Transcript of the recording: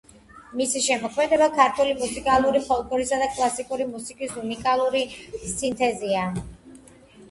მისი შემოქმედება ქართული მუსიკალური ფოლკლორისა და კლასიკური მუსიკის უნიკალური სინთეზია.